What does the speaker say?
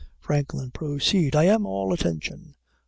FRANKLIN. Proceed. I am all attention.